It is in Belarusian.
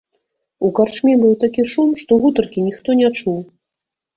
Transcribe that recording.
У карчме быў такі шум, што гутаркі ніхто не чуў.